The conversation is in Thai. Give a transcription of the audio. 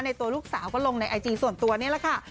ตัวลูกสาวก็ลงในไอจีส่วนตัวนี่แหละค่ะ